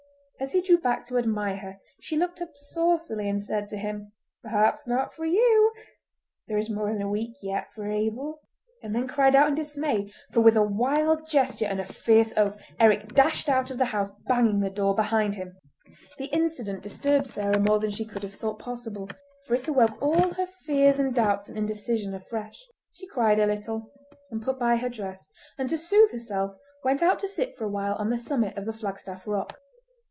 As he drew back to admire her she looked up saucily, and said to him— "Perhaps not for you. There is more than a week yet for Abel!" and then cried out in dismay, for with a wild gesture and a fierce oath Eric dashed out of the house, banging the door behind him. The incident disturbed Sarah more than she could have thought possible, for it awoke all her fears and doubts and indecision afresh. She cried a little, and put by her dress, and to soothe herself went out to sit for a while on the summit of the Flagstaff Rock.